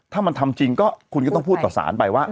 ถ้ามันทำจริงก็คุณก็ต้องพูดต่อสารไปว่า